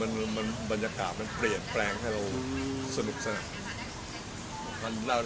มันบรรยากาศมันเปลี่ยนแปลงให้เราสนุกสนาน